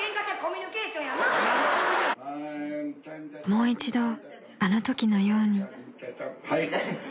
［もう一度あのときのように］